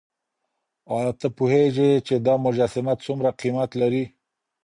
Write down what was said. ایا ته پوهېږې چې دا مجسمه څومره قیمت لري؟